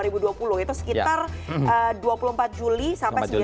itu sekitar dua puluh empat juli sampai sembilan agustus dua ribu dua puluh